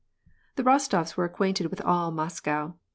The Rostofs were acquainted with all Moscow.